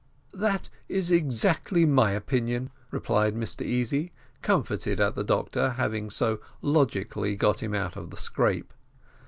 "That is exactly my opinion," replied Mr Easy, comforted at the doctor having so logically got him out of the scrape.